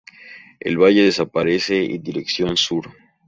El valle desaparece en dirección sur.